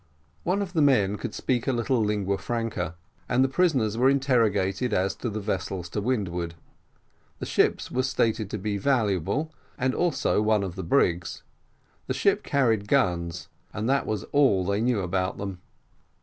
One of the men could speak a little Lingua Franca, and the prisoners were interrogated as to the vessels to windward. The ship was stated to be valuable, and also one of the brigs. The ship carried guns, and that was all that they knew about them.